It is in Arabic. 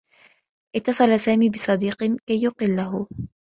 اتّصل سامي بصديق كي يقلّه.